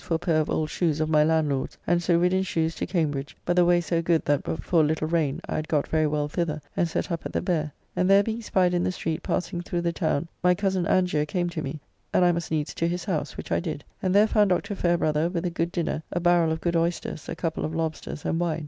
for a pair of old shoes of my landlord's, and so rid in shoes to Cambridge; but the way so good that but for a little rain I had got very well thither, and set up at the Beare: and there being spied in the street passing through the town my cozen Angier came to me, and I must needs to his house, which I did; and there found Dr. Fairbrother, with a good dinner, a barrel of good oysters, a couple of lobsters, and wine.